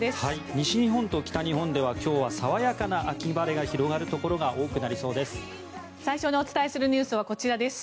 西日本と北日本では今日は爽やかな秋晴れが広がるところが多くなりそうです。